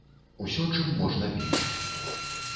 Усё, чым можна біць.